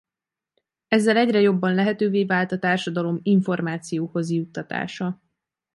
Ezzel egyre jobban lehetővé vált a társadalom információhoz juttatása.